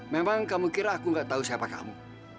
memang kamu kira aku gak tahu siapa kamu